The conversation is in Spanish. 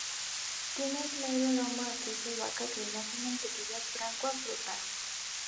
Tiene un claro aroma a queso de vaca, cremoso, a mantequilla, franco a fruta.